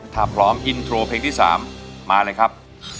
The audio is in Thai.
ถ้าพร้อมอินโทรเพลงที่๓มาเลยครับ